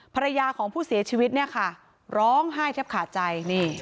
ภรรยาของผู้เสียชีวิตเนี่ยค่ะร้องไห้แทบขาดใจ